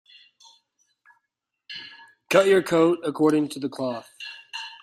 Cut your coat according to the cloth.